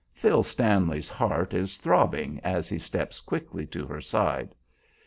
Phil Stanley's heart is throbbing as he steps quickly to her side.